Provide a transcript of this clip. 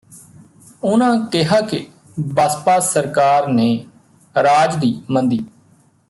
ਉਨ੍ਹਾਂ ਕਿਹਾ ਕਿ ਬਸਪਾ ਸਰਕਾਰ ਨੇ ਰਾਜ ਦੀ ਮੰਦੀ